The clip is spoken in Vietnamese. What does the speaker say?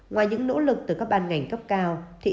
ngoài những nỗ lực từ các ban ngành cấp cao